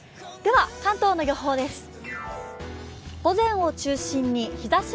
では関東の予報です。